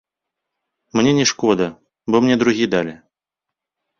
Мне не шкода, бо мне другі далі.